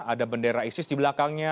ada bendera isis di belakangnya